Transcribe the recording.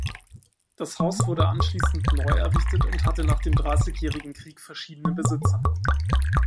Das Haus wurde anschließend neuerrichtet und hatte nach dem Dreißigjährigen Krieg verschiedene Besitzer.